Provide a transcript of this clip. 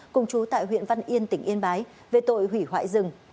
cùng chú tại huyện văn yên tỉnh yên bái về tội hủy hoại rừng